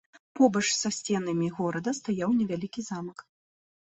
Побач са сценамі горада стаяў невялікі замак.